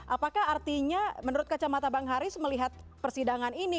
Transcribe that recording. apakah artinya menurut kacamata bang haris melihat persidangan ini